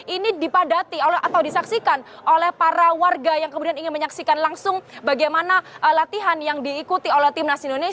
ini dipadati atau disaksikan oleh para warga yang kemudian ingin menyaksikan langsung bagaimana latihan yang diikuti oleh timnas indonesia